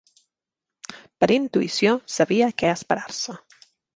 Per intuïció, sabia que esperar-se.